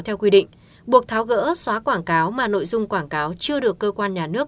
theo quy định buộc tháo gỡ xóa quảng cáo mà nội dung quảng cáo chưa được cơ quan nhà nước